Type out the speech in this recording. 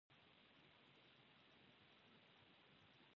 له لاسونو څخه يې دستکشې ایسته کړې.